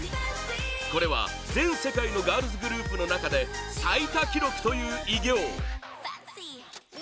これは全世界のガールズグループの中で最多記録という偉業！